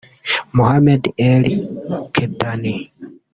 Mohamed El Kettani